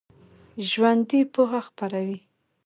ژوندي پوهه خپروي